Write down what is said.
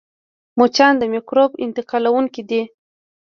مچان د مکروب انتقالوونکي دي